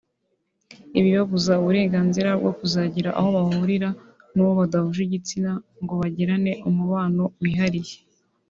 ibibabuza uburenganzira bwo kuzagira aho bahurira n’uwo badahuje igitsina ngo bagirane umubano wihariye